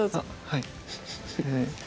はい。